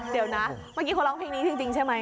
เดี๋ยวนะเมื่อกี้เขาร้องเพลงนี้จริงใช่ไหม